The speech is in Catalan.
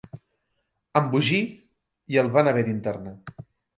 Embogí, i el van haver d'internar.